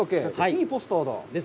いいポスターだ。